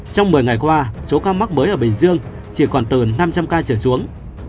trong một mươi ngày qua số ca mắc mới ở bình dương chỉ còn từ năm trăm linh ca trở xuống